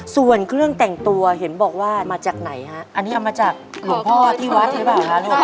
ส่วนเครื่องแต่งตัวเห็นบอกว่ามาจากไหนฮะอันนี้เอามาจากหลวงพ่อที่วัดหรือเปล่าคะลูก